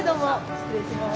失礼します。